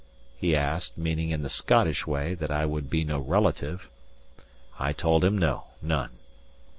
he asked, meaning, in the Scottish way, that I would be no relative. I told him no, none.